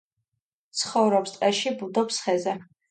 ცხოვრობს ტყეში, ბუდობს ხეზე.